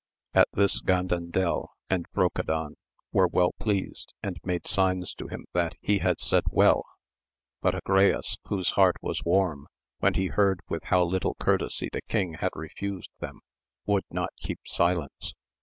At this Gandandel and Brocadan were well pleased, and made signs to him that he had said well, but Agrayes, whose heart was warm, when he heard with how little courtesy the king had refused them would not keep silence.